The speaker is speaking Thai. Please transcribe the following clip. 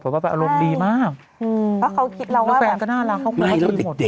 แล้วแฟนก็น่ารักเขาคุณหมอดีหมด